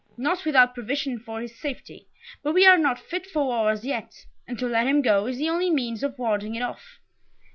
"Not without provision for his safety, but we are not fit for war as yet, and to let him go is the only means of warding it off."